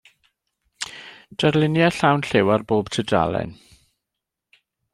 Darluniau llawn lliw ar bob tudalen.